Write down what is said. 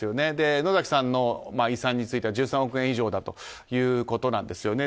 野崎さんの遺産については１３億円以上だということです。